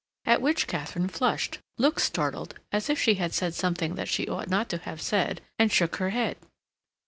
at which Katharine flushed, looked startled, as if she had said something that she ought not to have said, and shook her head.